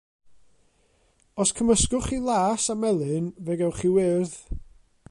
Os cymysgwch chi las a melyn fe gewch chi wyrdd.